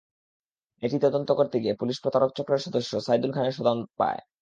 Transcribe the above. এটি তদন্ত করতে গিয়ে পুলিশ প্রতারক চক্রের সদস্য সাইদুল খানের সন্ধান পায়।